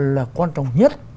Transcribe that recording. là quan trọng nhất